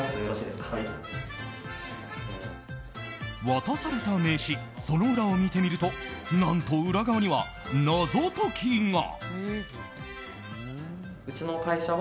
渡された名刺その裏を見てみると何と裏側には謎解きが。